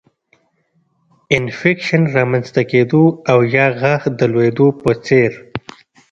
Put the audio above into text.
انفکشن رامنځته کېدو او یا غاښ د لوېدو په څېر